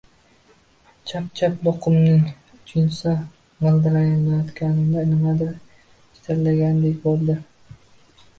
Chapchap luqumning uchinchisini g‘ilqillatayotganimda, nimadir shitirlagandek bo‘ldi